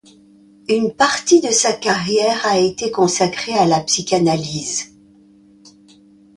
Une partie de sa carrière a été consacrée à la psychanalyse.